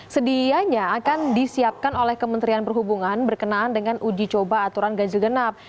sedianya akan disiapkan oleh kementerian perhubungan berkenaan dengan uji coba aturan ganjil genap